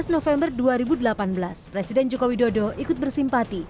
sembilan belas november dua ribu delapan belas presiden jokowi dodo ikut bersimpati